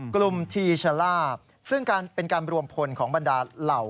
กลุ่มทิชลาภซึ่งเป็นการรวมพลของบรรดาเหล่า